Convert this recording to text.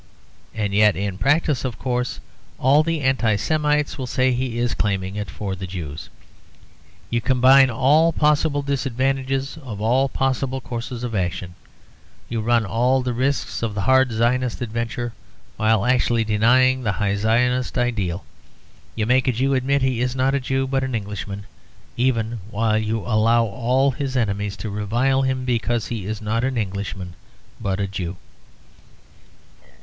And yet in practice, of course, all the Anti Semites will say he is claiming it for the Jews. You combine all possible disadvantages of all possible courses of action; you run all the risks of the hard Zionist adventure, while actually denying the high Zionist ideal. You make a Jew admit he is not a Jew but an Englishman; even while you allow all his enemies to revile him because he is not an Englishman but a Jew.